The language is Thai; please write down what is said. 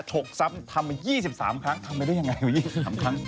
กซ้ำทำมา๒๓ครั้งทำไปได้ยังไง๒๓ครั้ง